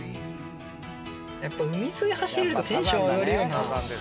やっぱ海沿い走るとテンション上がるよな。